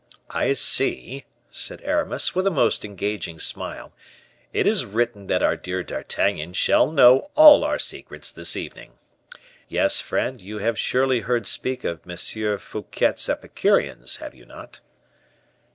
"I see," said Aramis, with a most engaging smile, "it is written that our dear D'Artagnan shall know all our secrets this evening. Yes, friend, you have surely heard speak of M. Fouquet's Epicureans, have you not?"